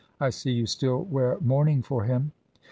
I see you still wear mourning for him."